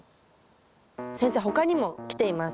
先生他にも来ています。